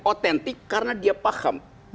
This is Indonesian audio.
authentic karena dia paham